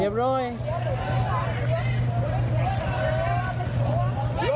กลับบื้อไม่มีที่เอาเลย